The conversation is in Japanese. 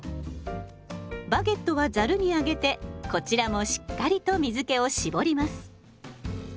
バゲットはざるに上げてこちらもしっかりと水けを絞ります。